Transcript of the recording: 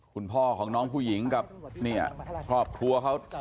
คุณพ่อของน้องผู้หญิงกับเนี่ยครอบครัวเขา